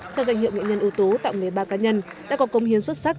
cho danh hiệu nghệ nhân ưu tú tặng mấy ba cá nhân đã có công hiến xuất sắc